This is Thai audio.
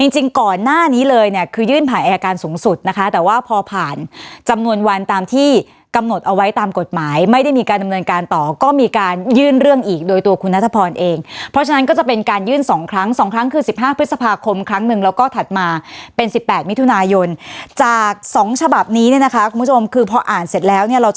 จริงก่อนหน้านี้เลยเนี่ยคือยื่นผ่านอายการสูงสุดนะคะแต่ว่าพอผ่านจำนวนวันตามที่กำหนดเอาไว้ตามกฎหมายไม่ได้มีการดำเนินการต่อก็มีการยื่นเรื่องอีกโดยตัวคุณนัทพรเองเพราะฉะนั้นก็จะเป็นการยื่นสองครั้งสองครั้งคือ๑๕พฤษภาคมครั้งหนึ่งแล้วก็ถัดมาเป็นสิบแปดมิถุนายนจาก๒ฉบับนี้เนี่ยนะคะคุณผู้ชมคือพออ่านเสร็จแล้วเนี่ยเราจะ